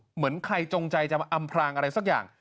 เหมือนใครจงใจจะมาอำพลางอะไรสักอย่าง